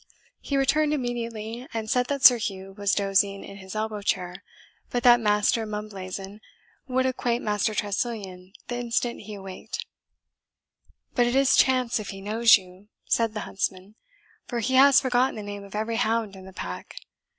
He returned immediately, and said that Sir Hugh was dozing in his elbow chair, but that Master Mumblazen would acquaint Master Tressilian the instant he awaked. "But it is chance if he knows you," said the huntsman, "for he has forgotten the name of every hound in the pack.